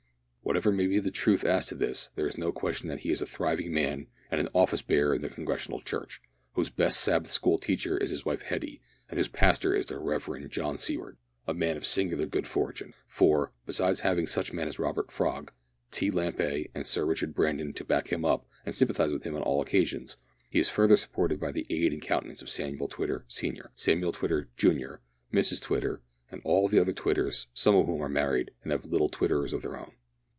Whatever may be the truth as to this, there is no question that he is a thriving man and an office bearer in the Congregational church, whose best Sabbath school teacher is his wife Hetty, and whose pastor is the Reverend John Seaward a man of singular good fortune, for, besides having such men as Robert Frog, T. Lampay, and Sir Richard Brandon to back him up and sympathise with him on all occasions, he is further supported by the aid and countenance of Samuel Twitter, senior, Samuel Twitter, junior, Mrs Twitter, and all the other Twitters, some of whom are married and have twitterers of their own.